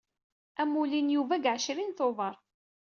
Amulli n Yuba deg ɛecrin Tubeṛ.